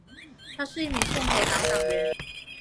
她是一名共和党党员。